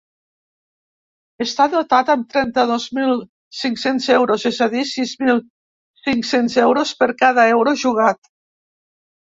Està dotat amb trenta-dos mil cinc-cents euros, és a dir, sis mil cinc-cents euros per cada euro jugat.